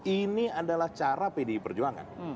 ini adalah cara pdi perjuangan